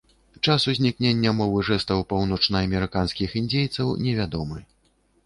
Час узнікнення мовы жэстаў паўночнаамерыканскіх індзейцаў невядомы.